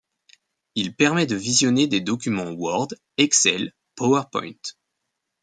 Il permet de visionner des documents Word, Excel, Powerpoint.